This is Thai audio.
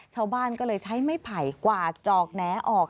ชาวบ้านก็เลยใช้ไม้ไผ่กวาดจอกแหนออก